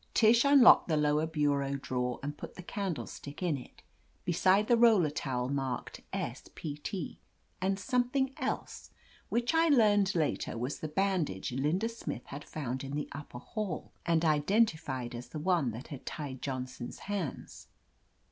Tish tinlocked the lower bureau drawer and put the candlestick in it, beside the roller towel marked S. P. T. and something else, which I learned later was the bandage Linda Smith had foimd in the upper hall, and identified as the one that had tied Johnson's hands.